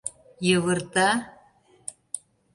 Йывырта?